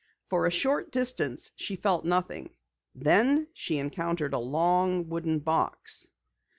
For a short distance she felt nothing. Then she encountered a long wooden box.